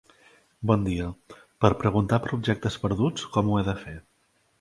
Bon dia, per preguntar per objectes perduts com ho he de fer?